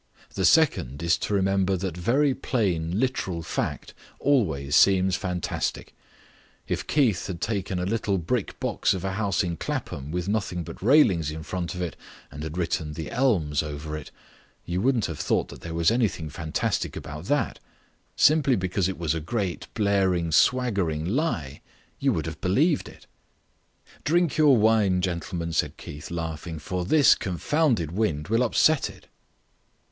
The second is to remember that very plain literal fact always seems fantastic. If Keith had taken a little brick box of a house in Clapham with nothing but railings in front of it and had written 'The Elms' over it, you wouldn't have thought there was anything fantastic about that. Simply because it was a great blaring, swaggering lie you would have believed it." "Drink your wine, gentlemen," said Keith, laughing, "for this confounded wind will upset it."